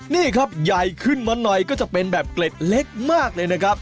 นี่ครับใหญ่ขึ้นมาหน่อยก็จะเป็นแบบเกล็ดเล็กมากเลยนะครับ